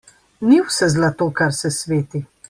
Ni vse zlato, kar se sveti.